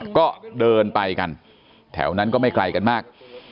ก็เดินไปกันแถวนั้นก็ไม่ไกลกันมาก